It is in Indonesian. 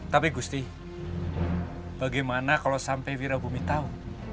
tapi gusti bagaimana kalau sampai virabun tahu